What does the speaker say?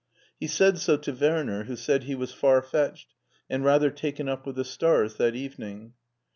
He said so to Werner, who said he was far fetched, and rather taken up with the stars that evening.